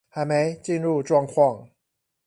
還沒進入狀況